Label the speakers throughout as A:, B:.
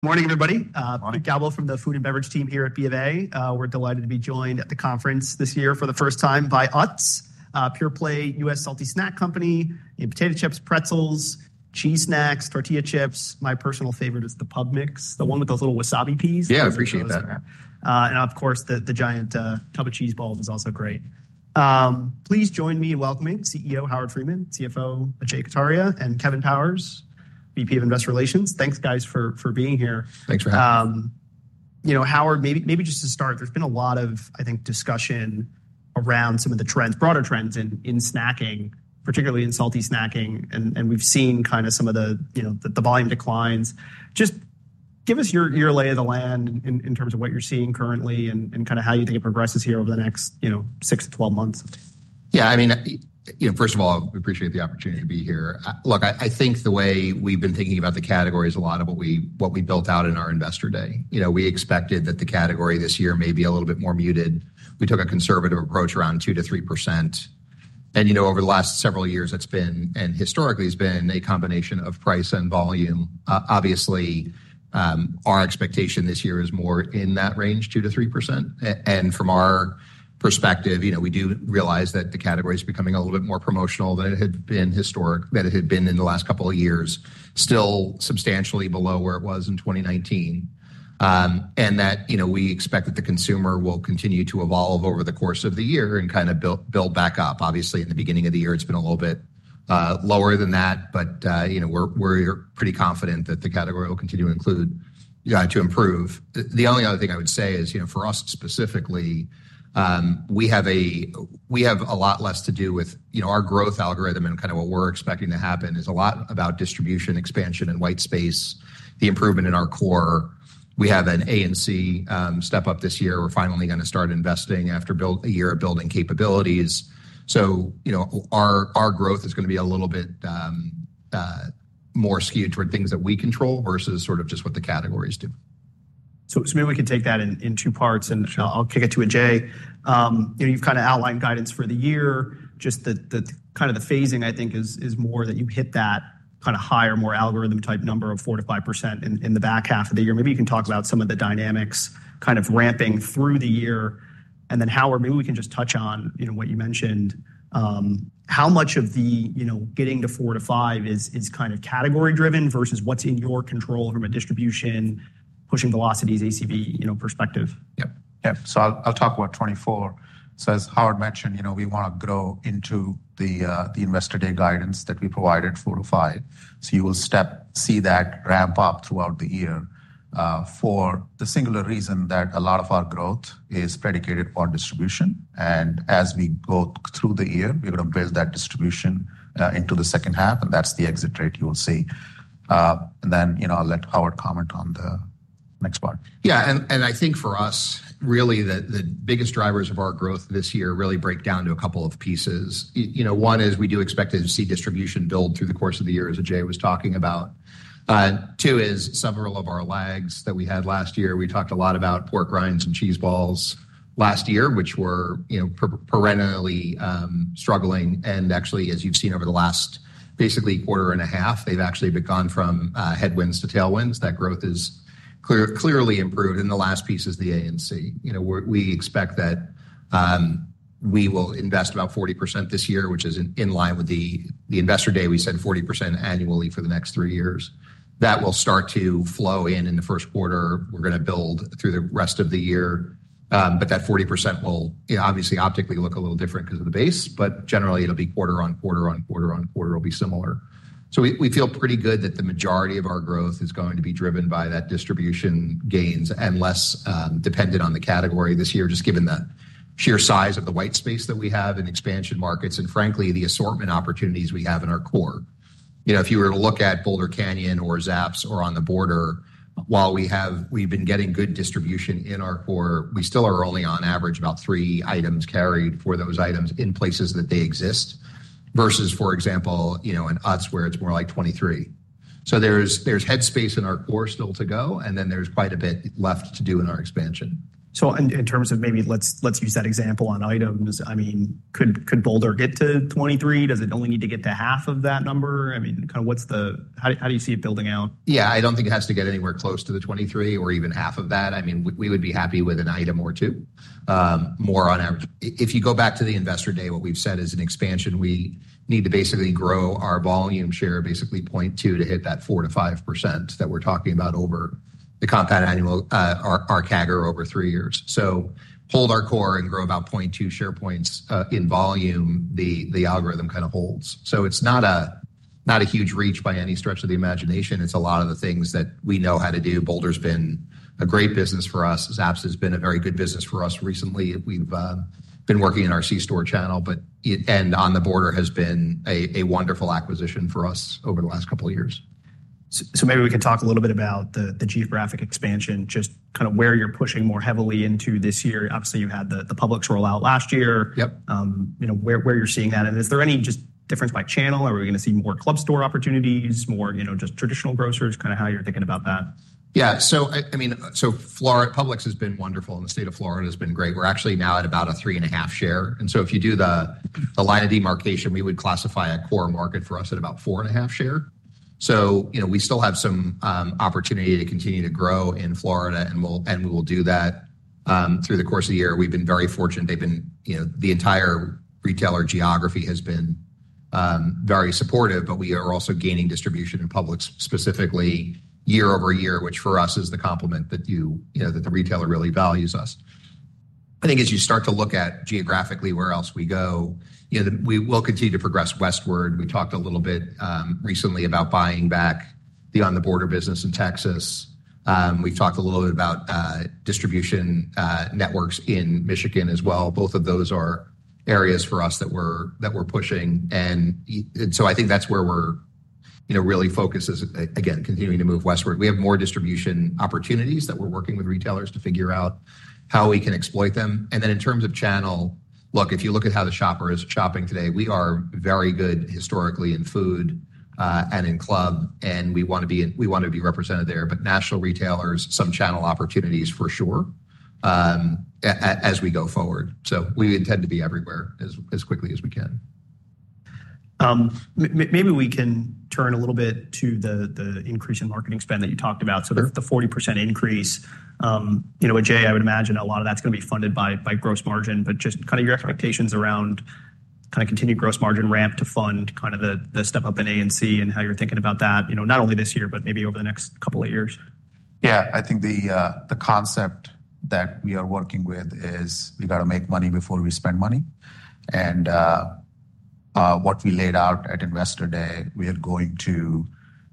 A: Morning, everybody.
B: Morning.
A: Galbo from the food and beverage team here at BofA. We're delighted to be joined at the conference this year for the first time by Utz, pure-play U.S. salty snack company. Potato chips, pretzels, cheese snacks, tortilla chips. My personal favorite is the Pub Mix, the one with those little wasabi peas.
B: Yeah, I appreciate that.
A: Of course, the giant tub of cheese balls is also great. Please join me in welcoming CEO Howard Friedman, CFO Ajay Kataria, and Kevin Powers, VP of Investor Relations. Thanks, guys, for being here.
B: Thanks for having me.
A: Howard, maybe just to start, there's been a lot of, I think, discussion around some of the trends, broader trends in snacking, particularly in salty snacking. We've seen kind of some of the volume declines. Just give us your lay of the land in terms of what you're seeing currently and kind of how you think it progresses here over the next 6-12 months.
B: Yeah, I mean, first of all, I appreciate the opportunity to be here. Look, I think the way we've been thinking about the category is a lot of what we built out in our Investor Day. We expected that the category this year may be a little bit more muted. We took a conservative approach around 2%-3%. And over the last several years, it's been and historically has been a combination of price and volume. Obviously, our expectation this year is more in that range, 2%-3%. And from our perspective, we do realize that the category is becoming a little bit more promotional than it had been historic, that it had been in the last couple of years, still substantially below where it was in 2019. And that we expect that the consumer will continue to evolve over the course of the year and kind of build back up. Obviously, in the beginning of the year, it's been a little bit lower than that. But we're pretty confident that the category will continue to improve. The only other thing I would say is, for us specifically, we have a lot less to do with our growth algorithm and kind of what we're expecting to happen is a lot about distribution, expansion, and white space, the improvement in our core. We have an A&C step up this year. We're finally going to start investing after a year of building capabilities. So our growth is going to be a little bit more skewed toward things that we control versus sort of just what the categories do.
A: So maybe we can take that in two parts. I'll kick it to Ajay. You've kind of outlined guidance for the year. Just kind of the phasing, I think, is more that you hit that kind of higher, more algorithm-type number of 4%-5% in the back half of the year. Maybe you can talk about some of the dynamics kind of ramping through the year. Then Howard, maybe we can just touch on what you mentioned. How much of the getting to 4%-5% is kind of category-driven versus what's in your control from a distribution, pushing velocities, ACV perspective?
C: Yep. Yep. So I'll talk about 2024. So as Howard mentioned, we want to grow into the Investor Day guidance that we provided, 4%-5%. So you will see that ramp up throughout the year for the singular reason that a lot of our growth is predicated on distribution. And as we go through the year, we're going to build that distribution into the second half. And that's the exit rate you will see. And then I'll let Howard comment on the next part.
B: Yeah. And I think for us, really, the biggest drivers of our growth this year really break down to a couple of pieces. One is we do expect to see distribution build through the course of the year, as Ajay was talking about. Two is several of our lags that we had last year. We talked a lot about pork rinds and cheese balls last year, which were perennially struggling. And actually, as you've seen over the last basically quarter and a half, they've actually begun from headwinds to tailwinds. That growth is clearly improved. And the last piece is the A and C. We expect that we will invest about 40% this year, which is in line with the Investor Day. We said 40% annually for the next three years. That will start to flow in in the first quarter. We're going to build through the rest of the year. But that 40% will obviously optically look a little different because of the base. But generally, it'll be quarter on quarter on quarter on quarter. It'll be similar. So we feel pretty good that the majority of our growth is going to be driven by that distribution gains and less dependent on the category this year, just given the sheer size of the white space that we have in expansion markets and frankly, the assortment opportunities we have in our core. If you were to look at Boulder Canyon or Zapp's or On The Border, while we've been getting good distribution in our core, we still are only on average about three items carried for those items in places that they exist versus, for example, in UTZ where it's more like 23. There's headspace in our core still to go. Then there's quite a bit left to do in our expansion.
A: So in terms of maybe let's use that example on items. I mean, could Boulder get to 23? Does it only need to get to half of that number? I mean, kind of how do you see it building out?
B: Yeah. I don't think it has to get anywhere close to the 23 or even half of that. I mean, we would be happy with an item or two, more on average. If you go back to the Investor Day, what we've said is in expansion, we need to basically grow our volume share basically 0.2 to hit that 4%-5% that we're talking about over the compound annual our CAGR over three years. So hold our core and grow about 0.2 share points in volume. The algorithm kind of holds. So it's not a huge reach by any stretch of the imagination. It's a lot of the things that we know how to do. Boulder's been a great business for us. Zapp's has been a very good business for us recently. We've been working in our C-store channel. On the Border has been a wonderful acquisition for us over the last couple of years.
A: So maybe we can talk a little bit about the geographic expansion, just kind of where you're pushing more heavily into this year. Obviously, you had the Pub Mix rollout last year. Where you're seeing that. And is there any just difference by channel? Are we going to see more club store opportunities, more just traditional grocers? Kind of how you're thinking about that.
B: Yeah. So I mean, Pub Mix has been wonderful. And the state of Florida has been great. We're actually now at about a 3.5% share. And so if you do the line of demarcation, we would classify a core market for us at about a 4.5% share. So we still have some opportunity to continue to grow in Florida. And we will do that through the course of the year. We've been very fortunate. The entire retailer geography has been very supportive. But we are also gaining distribution in Pub Mix specifically year over year, which for us is the complement that the retailer really values us. I think as you start to look at geographically where else we go, we will continue to progress westward. We talked a little bit recently about buying back the On the Border business in Texas. We've talked a little bit about distribution networks in Michigan as well. Both of those are areas for us that we're pushing. And so I think that's where we're really focused, again, continuing to move westward. We have more distribution opportunities that we're working with retailers to figure out how we can exploit them. And then in terms of channel, look, if you look at how the shopper is shopping today, we are very good historically in food and in club. And we want to be we want to be represented there. But national retailers, some channel opportunities for sure as we go forward. So we intend to be everywhere as quickly as we can.
A: Maybe we can turn a little bit to the increase in marketing spend that you talked about. So the 40% increase, Ajay, I would imagine a lot of that's going to be funded by gross margin. But just kind of your expectations around kind of continued gross margin ramp to fund kind of the step up in A and C and how you're thinking about that, not only this year but maybe over the next couple of years.
C: Yeah. I think the concept that we are working with is we got to make money before we spend money. And what we laid out at Investor Day, we are going to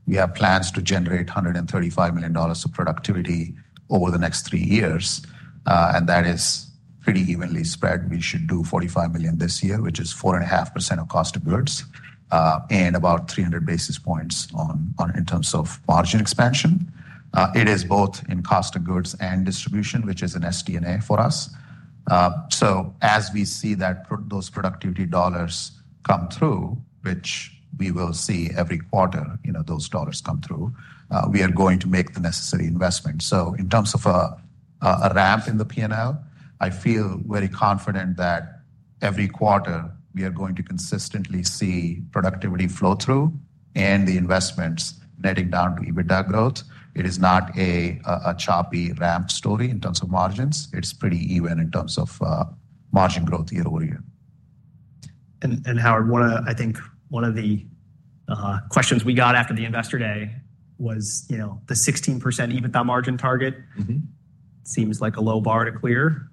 C: we have plans to generate $135 million of productivity over the next three years. And that is pretty evenly spread. We should do $45 million this year, which is 4.5% of cost of goods and about 300 basis points in terms of margin expansion. It is both in cost of goods and distribution, which is an SD&A for us. So as we see those productivity dollars come through, which we will see every quarter, those dollars come through, we are going to make the necessary investments. So in terms of a ramp in the P&L, I feel very confident that every quarter we are going to consistently see productivity flow through and the investments netting down to EBITDA growth. It is not a choppy ramp story in terms of margins. It's pretty even in terms of margin growth year-over-year.
A: Howard, I think one of the questions we got after the Investor Day was the 16% EBITDA margin target. Seems like a low bar to clear.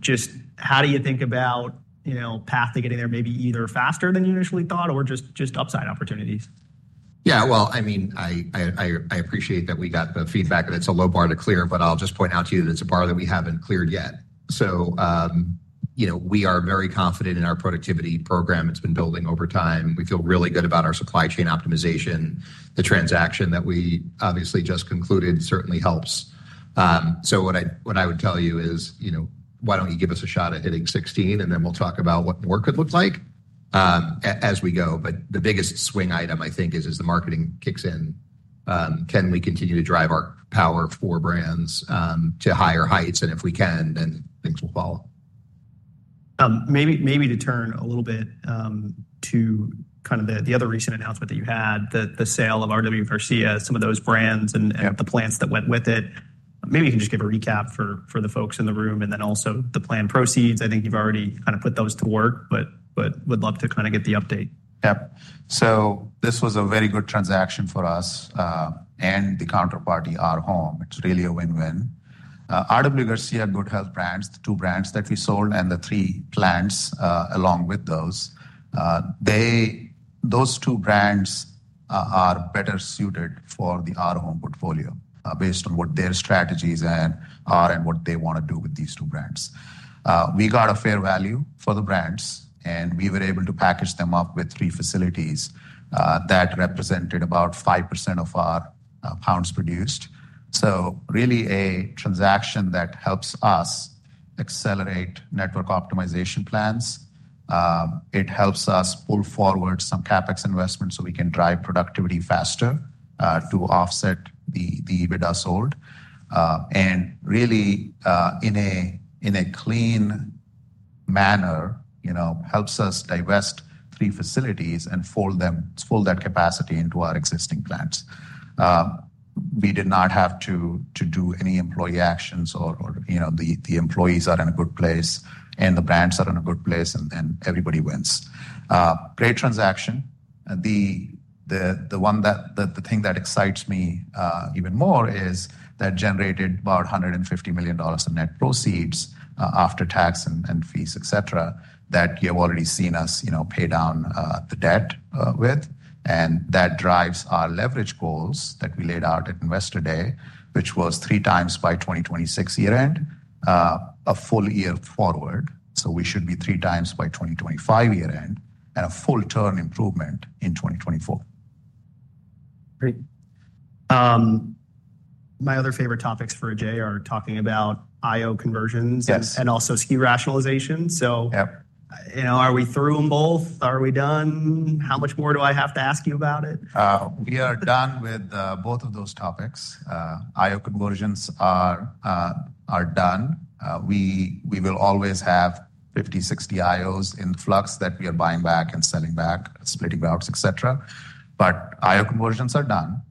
A: Just how do you think about the path to getting there maybe either faster than you initially thought or just upside opportunities?
B: Yeah. Well, I mean, I appreciate that we got the feedback that it's a low bar to clear. But I'll just point out to you that it's a bar that we haven't cleared yet. So we are very confident in our productivity program. It's been building over time. We feel really good about our supply chain optimization. The transaction that we obviously just concluded certainly helps. So what I would tell you is, why don't you give us a shot at hitting 16? And then we'll talk about what more could look like as we go. But the biggest swing item, I think, is as the marketing kicks in, can we continue to drive our power for brands to higher heights? And if we can, then things will follow.
A: Maybe to turn a little bit to kind of the other recent announcement that you had, the sale of RW Garcia, some of those brands and the plants that went with it. Maybe you can just give a recap for the folks in the room. And then also the planned proceeds. I think you've already kind of put those to work. But would love to kind of get the update.
C: Yep. So this was a very good transaction for us and the counterparty, Our Home. It's really a win-win. RW Garcia, Good Health Brands, the two brands that we sold, and the three plants along with those, those two brands are better suited for Our Home portfolio based on what their strategies are and what they want to do with these two brands. We got a fair value for the brands. And we were able to package them up with three facilities that represented about 5% of our pounds produced. So really a transaction that helps us accelerate network optimization plans. It helps us pull forward some CapEx investments so we can drive productivity faster to offset the EBITDA sold. And really in a clean manner, helps us divest three facilities and fold that capacity into our existing plants. We did not have to do any employee actions. Or the employees are in a good place. And the brands are in a good place. And then everybody wins. Great transaction. The thing that excites me even more is that generated about $150 million of net proceeds after tax and fees, etc., that you have already seen us pay down the debt with. And that drives our leverage goals that we laid out at Investor Day, which was 3x by 2026 year-end, a full year forward. So we should be 3x by 2025 year-end and a full-term improvement in 2024.
A: Great. My other favorite topics for Ajay are talking about I/O conversions and also SKU rationalization. So are we through them both? Are we done? How much more do I have to ask you about it?
C: We are done with both of those topics. I/O conversions are done. We will always have 50, 60 I/Os in flux that we are buying back and selling back, splitting routes, etc. But I/O conversions are done.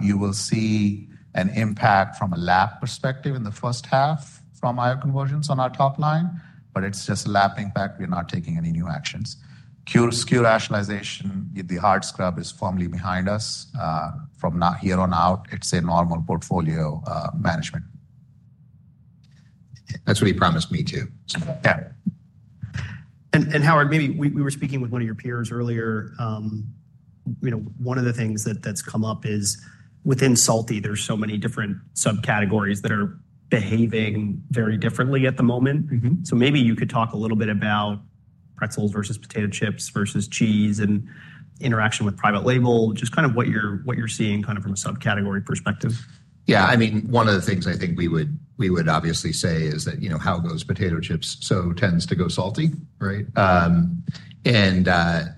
C: You will see an impact from a lap perspective in the first half from I/O conversions on our top line. But it's just a lap impact. We are not taking any new actions. SKU rationalization, the hard scrub, is firmly behind us. From here on out, it's a normal portfolio management.
B: That's what he promised me too.
A: Yeah. And Howard, maybe we were speaking with one of your peers earlier. One of the things that's come up is within salty, there's so many different subcategories that are behaving very differently at the moment. So maybe you could talk a little bit about pretzels versus potato chips versus cheese and interaction with private label, just kind of what you're seeing kind of from a subcategory perspective.
B: Yeah. I mean, one of the things I think we would obviously say is that how goes potato chips? So tends to go salty, right? And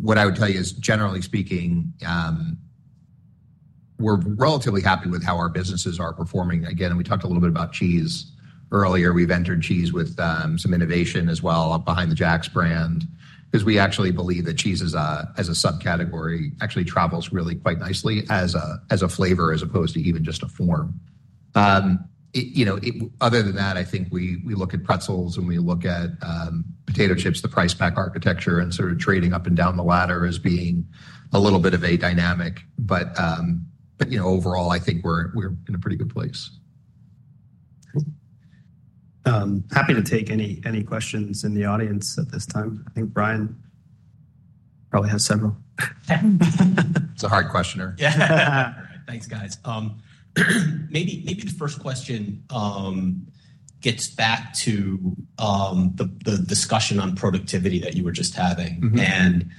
B: what I would tell you is, generally speaking, we're relatively happy with how our businesses are performing. Again, we talked a little bit about cheese earlier. We've entered cheese with some innovation as well behind the Jax brand because we actually believe that cheese as a subcategory actually travels really quite nicely as a flavor as opposed to even just a form. Other than that, I think we look at pretzels. And we look at potato chips, the price pack architecture, and sort of trading up and down the ladder as being a little bit of a dynamic. But overall, I think we're in a pretty good place.
A: Happy to take any questions in the audience at this time. I think Brian probably has several.
B: It's a hard questioner.
D: Yeah. Thanks, guys. Maybe the first question gets back to the discussion on productivity that you were just having and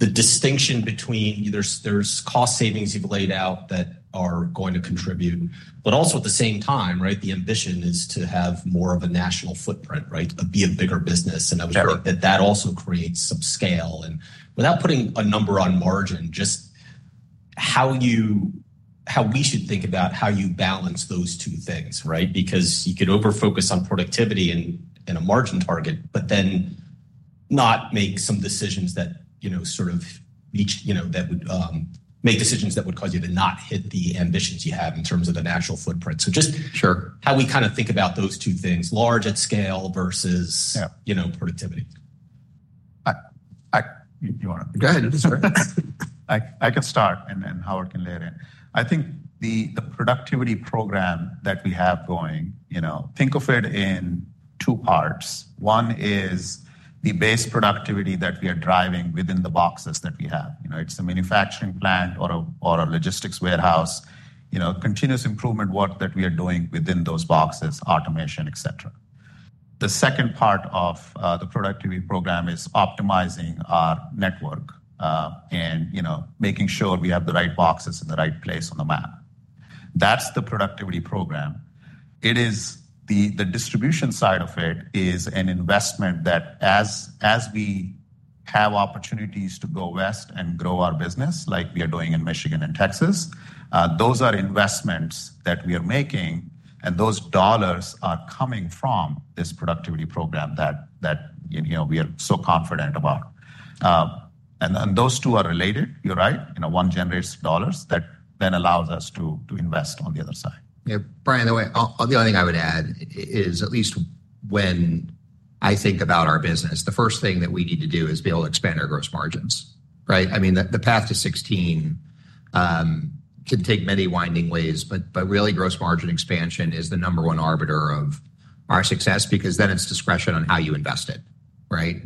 D: the distinction between there's cost savings you've laid out that are going to contribute. But also at the same time, right, the ambition is to have more of a national footprint, right, be a bigger business. And I was wondering if that also creates some scale. And without putting a number on margin, just how we should think about how you balance those two things, right, because you could overfocus on productivity and a margin target but then not make some decisions that sort of that would make decisions that would cause you to not hit the ambitions you have in terms of the national footprint. So just how we kind of think about those two things, large at scale versus productivity.
C: You want to?
B: Go ahead. It's all right.
C: I can start. And then Howard can layer in. I think the productivity program that we have going, think of it in two parts. One is the base productivity that we are driving within the boxes that we have. It's a manufacturing plant or a logistics warehouse, continuous improvement work that we are doing within those boxes, automation, etc. The second part of the productivity program is optimizing our network and making sure we have the right boxes in the right place on the map. That's the productivity program. The distribution side of it is an investment that, as we have opportunities to go west and grow our business like we are doing in Michigan and Texas, those are investments that we are making. And those dollars are coming from this productivity program that we are so confident about. And those two are related. You're right. One generates dollars that then allows us to invest on the other side.
B: Yeah. Brian, the only thing I would add is at least when I think about our business, the first thing that we need to do is be able to expand our gross margins, right? I mean, the path to 16 can take many winding ways. But really, gross margin expansion is the number one arbiter of our success because then it's discretion on how you invest it, right?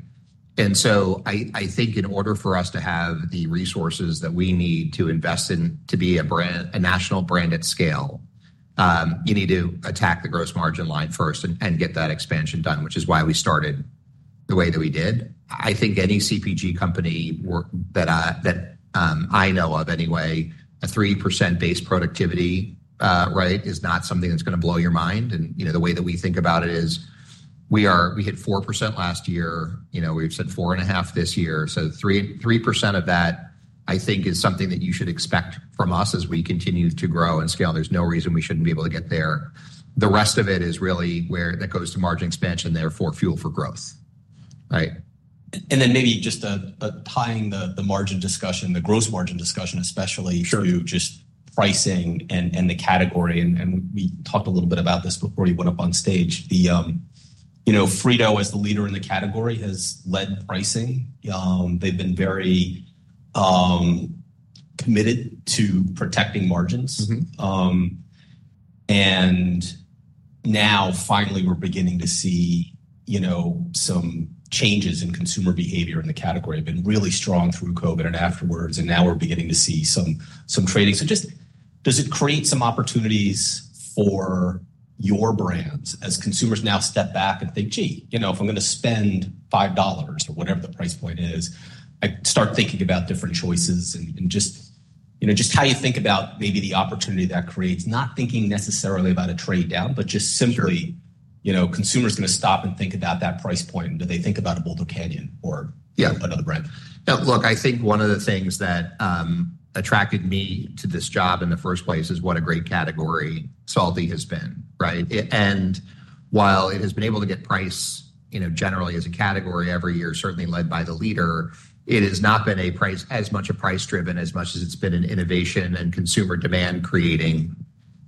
B: And so I think in order for us to have the resources that we need to invest in to be a national brand at scale, you need to attack the gross margin line first and get that expansion done, which is why we started the way that we did. I think any CPG company that I know of anyway, a 3% base productivity, right, is not something that's going to blow your mind. And the way that we think about it is we hit 4% last year. We've said 4.5 this year. So 3% of that, I think, is something that you should expect from us as we continue to grow and scale. And there's no reason we shouldn't be able to get there. The rest of it is really where that goes to margin expansion there for fuel for growth, right?
D: And then maybe just tying the margin discussion, the gross margin discussion especially to just pricing and the category. And we talked a little bit about this before you went up on stage. Frito-Lay as the leader in the category has led pricing. They've been very committed to protecting margins. And now finally, we're beginning to see some changes in consumer behavior in the category. It's been really strong through COVID and afterwards. And now we're beginning to see some trading. So just does it create some opportunities for your brands as consumers now step back and think, "Gee, if I'm going to spend $5 or whatever the price point is, I start thinking about different choices?" And just how you think about maybe the opportunity that creates, not thinking necessarily about a trade down but just simply consumers going to stop and think about that price point? Do they think about a Boulder Canyon or another brand?
B: Yeah. Look, I think one of the things that attracted me to this job in the first place is what a great category salty has been, right? While it has been able to get priced generally as a category every year, certainly led by the leader, it has not been as much a price-driven as much as it's been an innovation and consumer demand-creating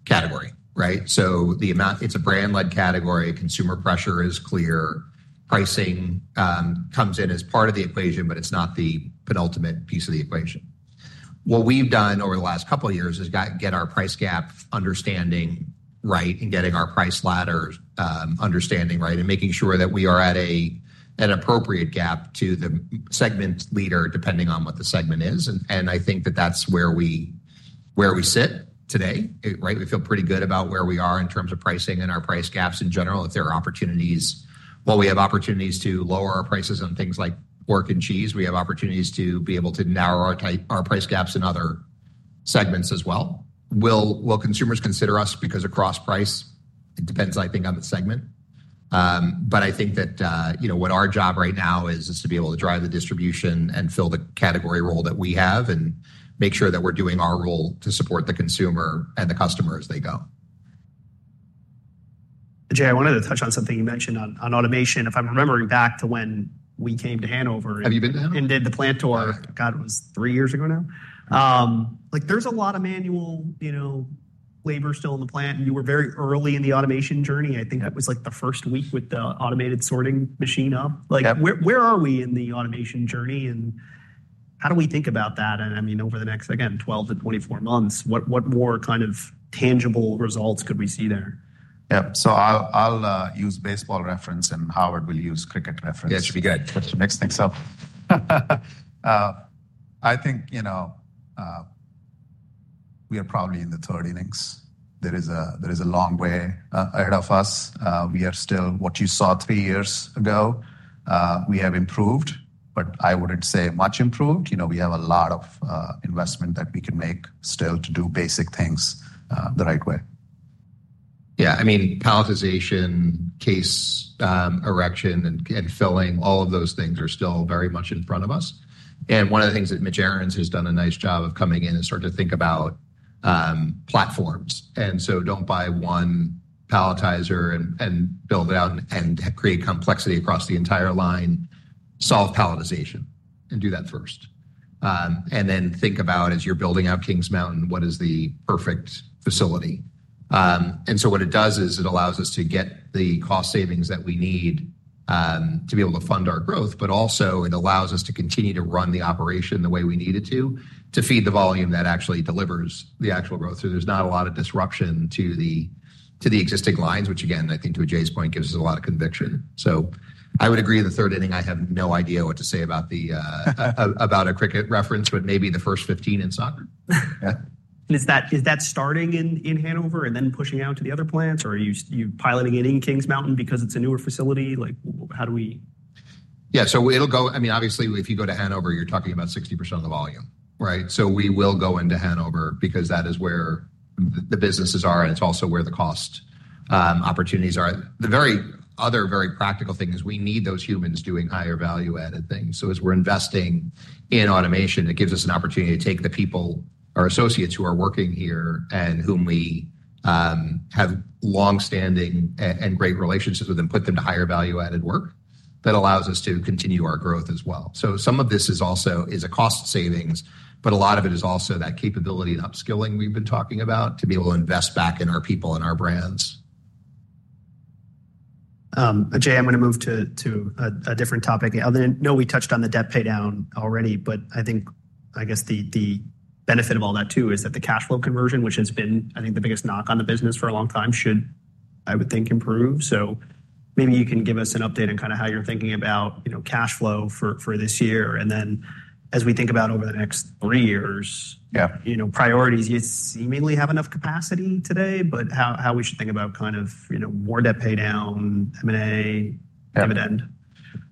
B: category, right? So it's a brand-led category. Consumer pressure is clear. Pricing comes in as part of the equation. But it's not the penultimate piece of the equation. What we've done over the last couple of years is get our price gap understanding right and getting our price ladder understanding right and making sure that we are at an appropriate gap to the segment leader depending on what the segment is. And I think that that's where we sit today, right? We feel pretty good about where we are in terms of pricing and our price gaps in general. If there are opportunities while we have opportunities to lower our prices on things like pork and cheese, we have opportunities to be able to narrow our price gaps in other segments as well. Will consumers consider us because of cross-price? It depends, I think, on the segment. But I think that what our job right now is to be able to drive the distribution and fill the category role that we have and make sure that we're doing our role to support the consumer and the customer as they go.
D: Ajay, I wanted to touch on something you mentioned on automation. If I'm remembering back to when we came to Hanover.
B: Have you been to Hanover?
D: Did the plant tour. God, it was three years ago now. There's a lot of manual labor still in the plant. You were very early in the automation journey. I think that was the first week with the automated sorting machine up. Where are we in the automation journey? How do we think about that? I mean, over the next, again, 12-24 months, what more kind of tangible results could we see there?
C: Yep. So I'll use baseball reference. And Howard will use cricket reference.
B: Yeah. It should be good.
C: Next thing's up. I think we are probably in the third innings. There is a long way ahead of us. We are still what you saw three years ago. We have improved. But I wouldn't say much improved. We have a lot of investment that we can make still to do basic things the right way.
B: Yeah. I mean, palletization, case erection, and filling, all of those things are still very much in front of us. And one of the things that Mitch Arens has done a nice job of coming in is sort of to think about platforms. And so don't buy one palletizer and build it out and create complexity across the entire line. Solve palletization and do that first. And then think about as you're building out Kings Mountain, what is the perfect facility? And so what it does is it allows us to get the cost savings that we need to be able to fund our growth. But also, it allows us to continue to run the operation the way we need it to, to feed the volume that actually delivers the actual growth. So there's not a lot of disruption to the existing lines, which again, I think to Ajay's point, gives us a lot of conviction. So I would agree in the third inning. I have no idea what to say about a cricket reference, but maybe the first 15 in soccer.
D: Is that starting in Hanover and then pushing out to the other plants? Or are you piloting it in Kings Mountain because it's a newer facility? How do we?
B: Yeah. So it'll go—I mean, obviously, if you go to Hanover, you're talking about 60% of the volume, right? So we will go into Hanover because that is where the businesses are. And it's also where the cost opportunities are. The other very practical thing is we need those humans doing higher value-added things. So as we're investing in automation, it gives us an opportunity to take the people or associates who are working here and whom we have longstanding and great relationships with and put them to higher value-added work that allows us to continue our growth as well. So some of this is also a cost savings. But a lot of it is also that capability and upskilling we've been talking about to be able to invest back in our people and our brands.
D: Ajay, I'm going to move to a different topic. I know we touched on the debt paydown already. But I guess the benefit of all that too is that the cash flow conversion, which has been, I think, the biggest knock on the business for a long time, should, I would think, improve. So maybe you can give us an update on kind of how you're thinking about cash flow for this year. And then as we think about over the next three years, priorities, you seemingly have enough capacity today. But how we should think about kind of more debt paydown, M&A, dividend.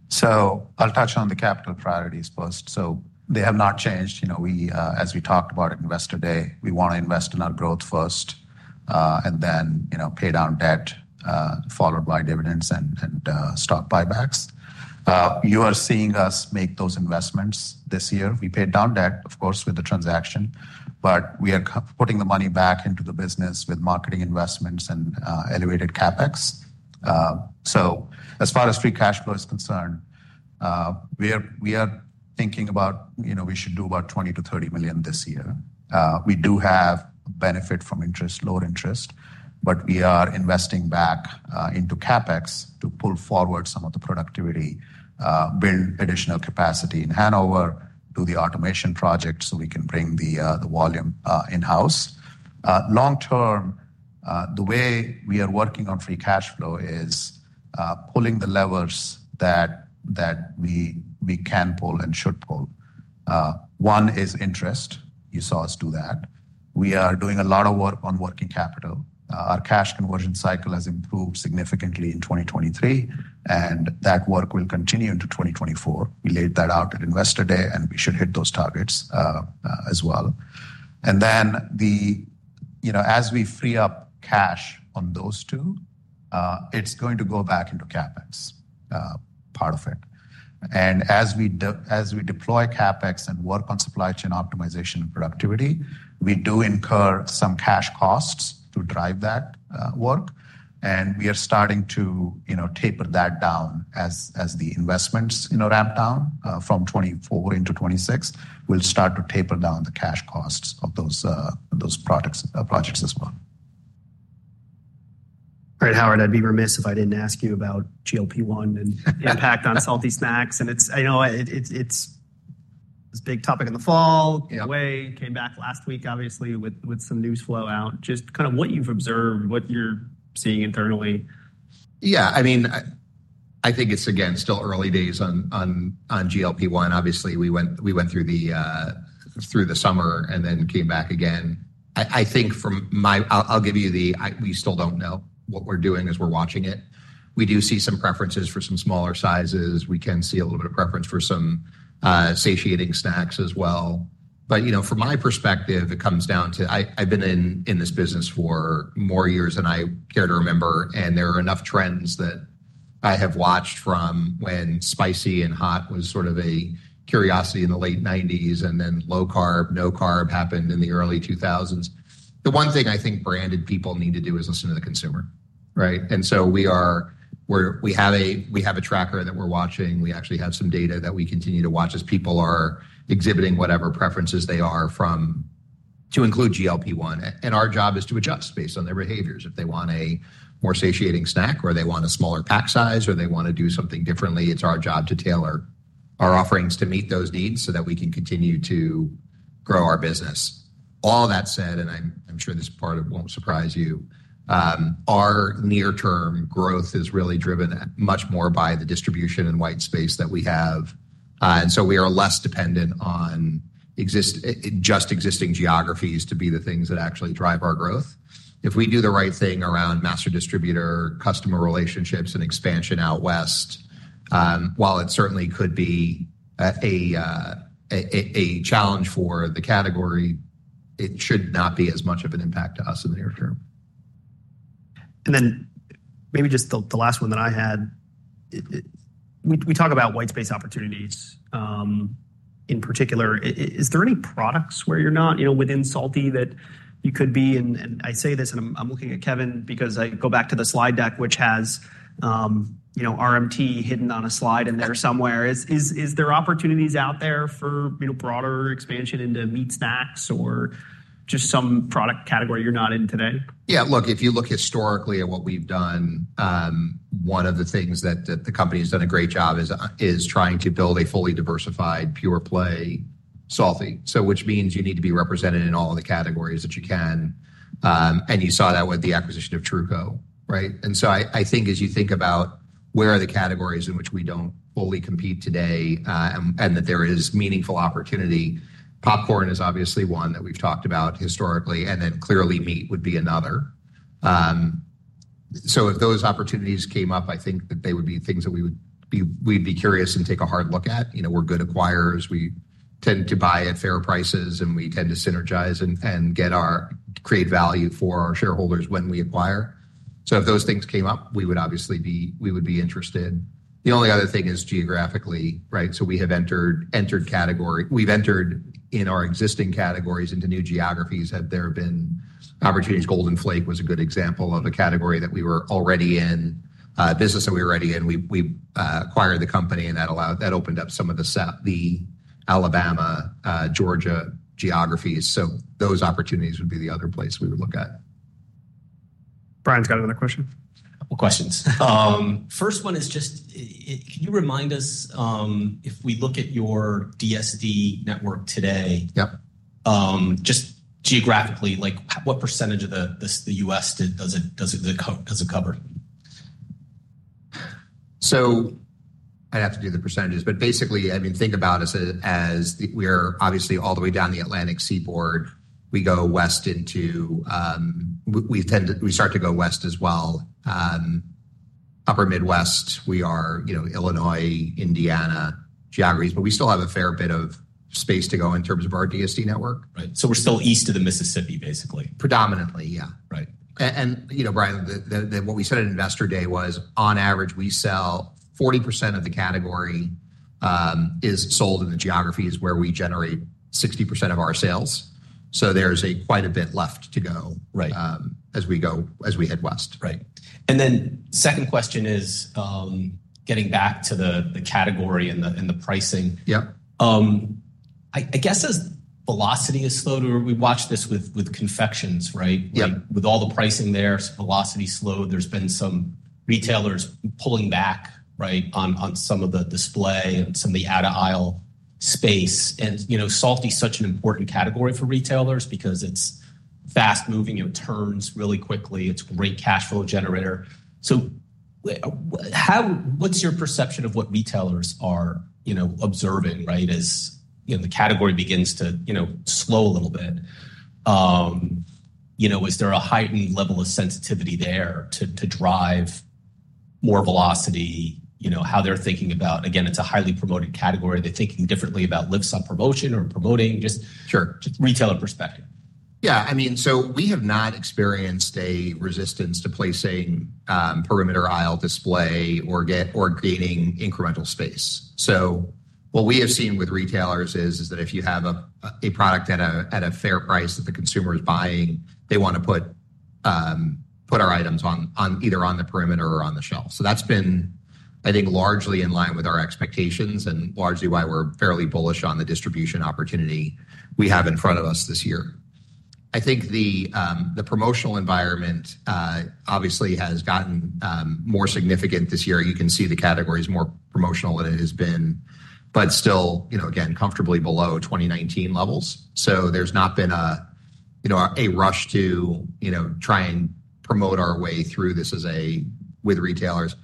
C: So I'll touch on the capital priorities first. So they have not changed. As we talked about it investor day, we want to invest in our growth first and then pay down debt followed by dividends and stock buybacks. You are seeing us make those investments this year. We paid down debt, of course, with the transaction. But we are putting the money back into the business with marketing investments and elevated CapEx. So as far as free cash flow is concerned, we are thinking about we should do about $20 million-$30 million this year. We do have benefit from interest, lower interest. But we are investing back into CapEx to pull forward some of the productivity, build additional capacity in Hanover, do the automation project so we can bring the volume in-house. Long term, the way we are working on free cash flow is pulling the levers that we can pull and should pull. One is interest. You saw us do that. We are doing a lot of work on working capital. Our cash conversion cycle has improved significantly in 2023. That work will continue into 2024. We laid that out at investor day. We should hit those targets as well. Then as we free up cash on those two, it's going to go back into CapEx, part of it. As we deploy CapEx and work on supply chain optimization and productivity, we do incur some cash costs to drive that work. We are starting to taper that down as the investments ramp down from 2024 into 2026. We'll start to taper down the cash costs of those projects as well.
D: All right, Howard. I'd be remiss if I didn't ask you about GLP-1 and the impact on salty snacks. And it's a big topic in the fall. Wegovy came back last week, obviously, with some news flow out. Just kind of what you've observed, what you're seeing internally.
B: Yeah. I mean, I think it's, again, still early days on GLP-1. Obviously, we went through the summer and then came back again. I think from my, I'll give you the, we still don't know. What we're doing is we're watching it. We do see some preferences for some smaller sizes. We can see a little bit of preference for some satiating snacks as well. But from my perspective, it comes down to, I've been in this business for more years than I care to remember. And there are enough trends that I have watched from when spicy and hot was sort of a curiosity in the late 1990s. And then low carb, no carb happened in the early 2000s. The one thing I think branded people need to do is listen to the consumer, right? And so we have a tracker that we're watching. We actually have some data that we continue to watch as people are exhibiting whatever preferences they are to include GLP-1. Our job is to adjust based on their behaviors. If they want a more satiating snack or they want a smaller pack size or they want to do something differently, it's our job to tailor our offerings to meet those needs so that we can continue to grow our business. All that said, and I'm sure this part won't surprise you, our near-term growth is really driven much more by the distribution and white space that we have. We are less dependent on just existing geographies to be the things that actually drive our growth. If we do the right thing around master distributor, customer relationships, and expansion out west, while it certainly could be a challenge for the category, it should not be as much of an impact to us in the near term.
D: Then maybe just the last one that I had. We talk about white space opportunities in particular. Is there any products where you're not within salty that you could be in? I say this. I'm looking at Kevin because I go back to the slide deck which has RMT hidden on a slide in there somewhere. Is there opportunities out there for broader expansion into meat snacks or just some product category you're not in today?
B: Yeah. Look, if you look historically at what we've done, one of the things that the company has done a great job is trying to build a fully diversified pure play salty, which means you need to be represented in all of the categories that you can. And you saw that with the acquisition of Truco, right? And so I think as you think about where are the categories in which we don't fully compete today and that there is meaningful opportunity, popcorn is obviously one that we've talked about historically. And then clearly, meat would be another. So if those opportunities came up, I think that they would be things that we'd be curious and take a hard look at. We're good acquirers. We tend to buy at fair prices. And we tend to synergize and create value for our shareholders when we acquire. So if those things came up, we would obviously be interested. The only other thing is geographically, right? So we have entered category we've entered in our existing categories into new geographies. Have there been opportunities? Golden Flake was a good example of a category that we were already in, business that we were already in. We acquired the company. And that opened up some of the Alabama, Georgia geographies. So those opportunities would be the other place we would look at.
A: Brian's got another question.
D: A couple of questions. First one is just can you remind us if we look at your DSD network today, just geographically, what percentage of the U.S. does it cover?
B: I'd have to do the percentages. But basically, I mean, think about us as we are obviously all the way down the Atlantic Seaboard. We go west as well, upper Midwest. We are Illinois, Indiana geographies. But we still have a fair bit of space to go in terms of our DSD network.
D: Right. So we're still east of the Mississippi, basically.
B: Predominantly, yeah. And Brian, what we said at investor day was, on average, we sell 40% of the category is sold in the geographies where we generate 60% of our sales. So there's quite a bit left to go as we head west.
D: Right. Then the second question is getting back to the category and the pricing. I guess as velocity has slowed, we watched this with confections, right? With all the pricing there, velocity slowed. There's been some retailers pulling back, right, on some of the display and some of the out-of-aisle space. Salty is such an important category for retailers because it's fast-moving. It turns really quickly. It's a great cash flow generator. So what's your perception of what retailers are observing, right, as the category begins to slow a little bit? Is there a heightened level of sensitivity there to drive more velocity, how they're thinking about again, it's a highly promoted category. They're thinking differently about lifts on promotion or promoting, just retailer perspective.
B: Yeah. I mean, so we have not experienced a resistance to placing perimeter aisle display or creating incremental space. So what we have seen with retailers is that if you have a product at a fair price that the consumer is buying, they want to put our items either on the perimeter or on the shelf. So that's been, I think, largely in line with our expectations and largely why we're fairly bullish on the distribution opportunity we have in front of us this year. I think the promotional environment obviously has gotten more significant this year. You can see the category is more promotional than it has been but still, again, comfortably below 2019 levels. So there's not been a rush to try and promote our way through this with retailers.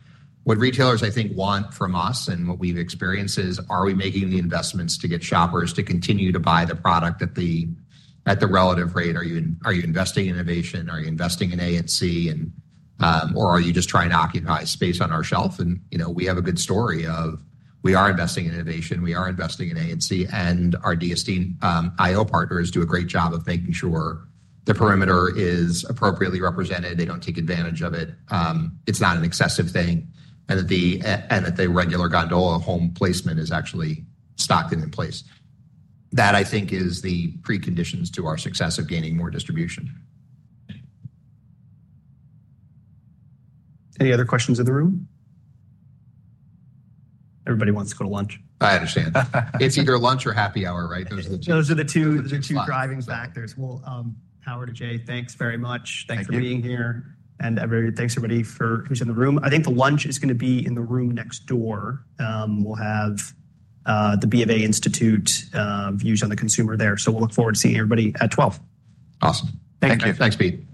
B: What retailers, I think, want from us and what we've experienced is are we making the investments to get shoppers to continue to buy the product at the relative rate? Are you investing in innovation? Are you investing in A and C? Or are you just trying to occupy space on our shelf? And we have a good story of we are investing in innovation. We are investing in A and C. And our DSD I/O partners do a great job of making sure the perimeter is appropriately represented. They don't take advantage of it. It's not an excessive thing. And that the regular gondola home placement is actually stocked and in place. That, I think, is the preconditions to our success of gaining more distribution.
A: Any other questions in the room? Everybody wants to go to lunch.
B: I understand. It's either lunch or happy hour, right? Those are the two.
A: Those are the two driving factors. Well, Howard and Ajay, thanks very much. Thanks for being here. And thanks, everybody, who's in the room. I think the lunch is going to be in the room next door. We'll have the BofA Institute views on the consumer there. So we'll look forward to seeing everybody at 12:00 P.M.
B: Awesome. Thank you. Thanks, Pete.